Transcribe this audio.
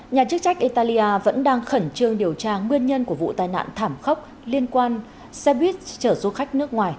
nhà chức trách italia vẫn đang khẩn trương điều tra nguyên nhân của vụ tai nạn thảm khốc liên quan xe buýt chở du khách nước ngoài